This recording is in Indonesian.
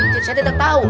saya tidak tahu